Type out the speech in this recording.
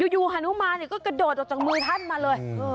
ฮานุมานก็กระโดดออกจากมือท่านมาเลย